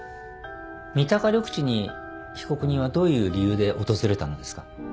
三鷹緑地に被告人はどういう理由で訪れたのですか？